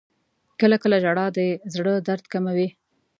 • کله کله ژړا د زړه درد کموي.